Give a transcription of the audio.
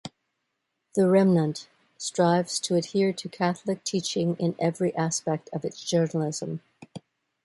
"The Remnant" strives to adhere to Catholic teaching in every aspect of its journalism.